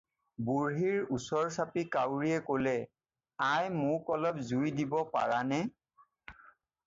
"বুঢ়ীৰ ওচৰ চাপি কাউৰীয়ে ক'লে- "আই মোক অলপ জুই দিব পাৰা নে?"